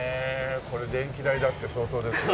これ電気代だって相当ですよ。